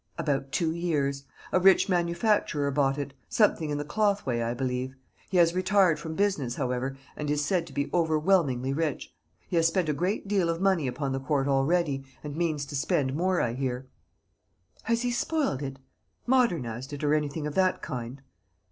"About two years. A rich manufacturer bought it something in the cloth way, I believe. He has retired from business, however, and is said to be overwhelmingly rich. He has spent a great deal of money upon the Court already, and means to spend more I hear." "Has he spoiled it modernised it, or anything of that kind?"